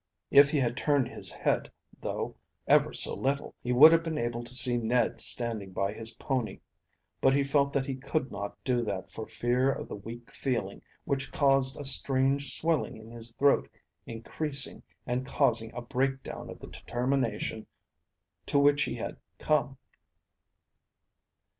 If he had turned his head though, ever so little, he would have been able to see Ned standing by his pony; but he felt that he could not do that for fear of the weak feeling which caused a strange swelling in his throat increasing and causing a breakdown of the determination to which he had come.